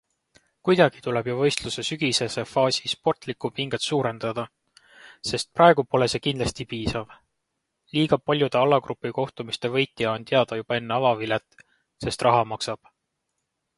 Kuidagi tuleb ju võistluse sügisese faasi sportlikku pinget suurendada, sest praegu pole see kindlasti piisav - liiga paljude alagrupikohtumiste võitja on teada juba enne avavilet, sest raha maksab.